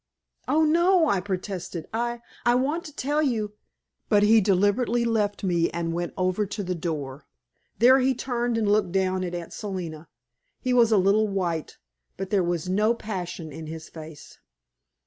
"Oh, no," I protested. "I I want to tell you " But he deliberately left me and went over to the door. There he turned and looked down at Aunt Selina. He was a little white, but there was no passion in his face.